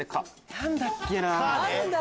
何だっけな？